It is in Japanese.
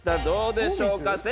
どうでしょうか？